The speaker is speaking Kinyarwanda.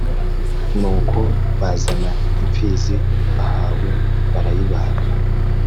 Nuko bazana impfizi bahawe barayibaga